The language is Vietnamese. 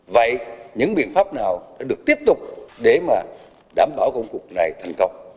vậy những biện pháp nào được tiếp tục để mà đảm bảo công cục này thành công